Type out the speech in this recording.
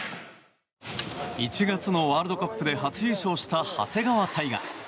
１月のワールドカップで初優勝した長谷川帝勝。